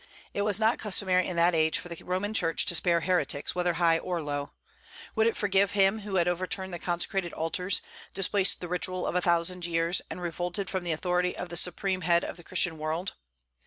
It was not customary in that age for the Roman Church to spare heretics, whether high or low. Would it forgive him who had overturned the consecrated altars, displaced the ritual of a thousand years, and revolted from the authority of the supreme head of the Christian world?